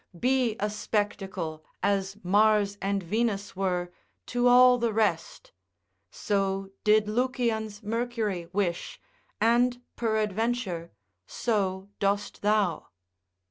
be a spectacle as Mars and Venus were, to all the rest; so did Lucian's Mercury wish, and peradventure so dost thou.